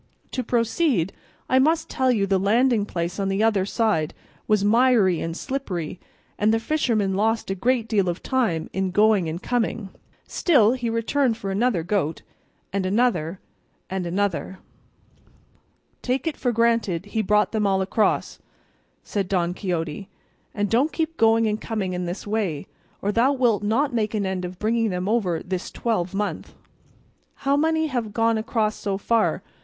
To proceed, I must tell you the landing place on the other side was miry and slippery, and the fisherman lost a great deal of time in going and coming; still he returned for another goat, and another, and another." "Take it for granted he brought them all across," said Don Quixote, "and don't keep going and coming in this way, or thou wilt not make an end of bringing them over this twelvemonth." "How many have gone across so far?"